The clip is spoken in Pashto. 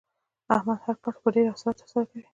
احمد هر کار په ډېره حوصله ترسره کوي.